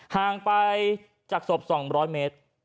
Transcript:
ห่างไปจากศพ๒๐๐เมตร